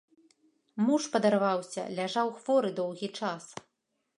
Муж падарваўся, ляжаў хворы доўгі час.